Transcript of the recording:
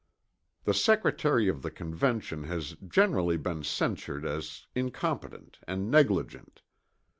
The Secretary of the Convention has generally been censured as incompetent and negligent.